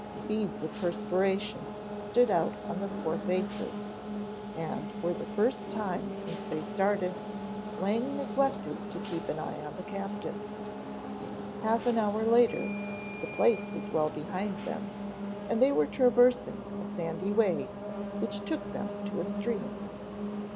Beads of perspiration stood out on the four faces, and for the first time since they started, Lang neglected to keep an eye on the captives. Half an hour later the place was well behind them and they were traversing a sandy way which took them to a stream.